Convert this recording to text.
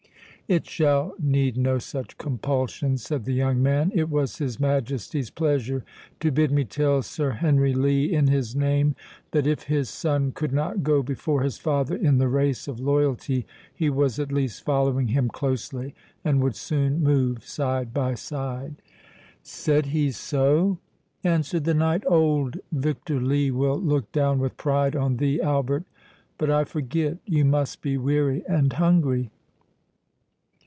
"It shall need no such compulsion," said the young man—"It was his Majesty's pleasure to bid me tell Sir Henry Lee, in his name, that if his son could not go before his father in the race of loyalty, he was at least following him closely, and would soon move side by side." "Said he so?" answered the knight—"Old Victor Lee will look down with pride on thee, Albert!—But I forget—you must be weary and hungry."